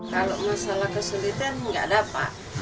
kalau masalah kesulitan nggak ada apa